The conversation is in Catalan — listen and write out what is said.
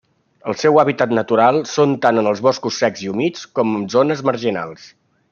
El seu hàbitat natural són tant en els boscos secs i humits com zones marginals.